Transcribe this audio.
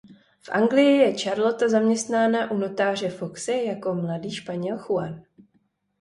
V Anglii je Charlotta zaměstnána u notáře Foxe jako mladý španěl Juan.